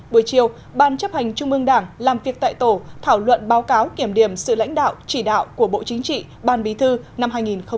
buổi chiều ban chấp hành trung ương đảng làm việc tại tổ thảo luận báo cáo kiểm điểm sự lãnh đạo chỉ đạo của bộ chính trị ban bí thư năm hai nghìn một mươi chín